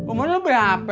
umur lo berapa